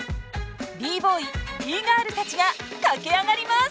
ＢＢＯＹＢＧＩＲＬたちが駆け上がります！